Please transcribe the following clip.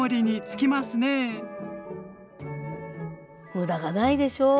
無駄がないでしょ。